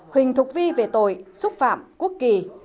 huỳnh thục vi về tội xúc phạm quốc kỳ